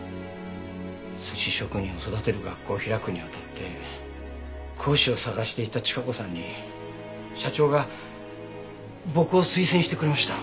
寿司職人を育てる学校を開くにあたって講師を探していた千加子さんに社長が僕を推薦してくれました。